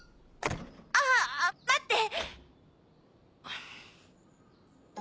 あっ待って！